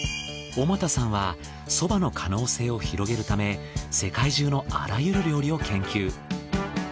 小俣さんは蕎麦の可能性を広げるため世界中のあらゆる料理を研究。